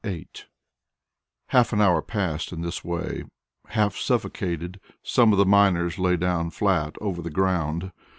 VIII Half an hour passed in this way. Half suffocated, some of the miners lay down flat on the ground.